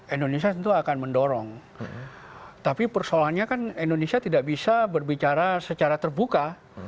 indonesia tentu akan mendorong tapi persoalannya kan indonesia tidak bisa berbicara secara terbuka